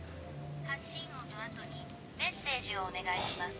「発信音のあとにメッセージをお願いします」